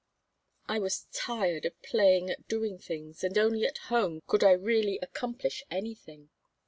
I was tired of playing at doing things, and only at home could I really accomplish anything.